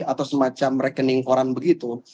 atau semacam rekening koran begitu